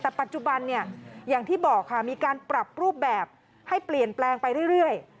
แต่ปัจจุบันเนี่ยอย่างที่บอกค่ะมีการปรับรูปแบบให้เปลี่ยนแปลงไปเรื่อย